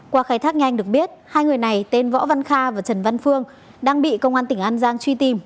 qua khai thác nhanh được biết hai người này tên võ văn kha và trần văn phương đang bị công an tỉnh an giang truy tìm